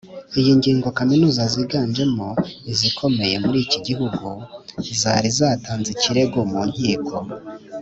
iyi ngingo kaminuza ziganjemo izikomeye muri iki gihugu zari zatanze ikirego mu nkiko,